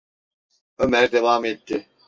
Ömer devam etti: